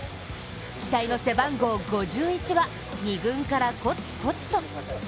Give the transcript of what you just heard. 期待の背番号５１は、２軍からコツコツと。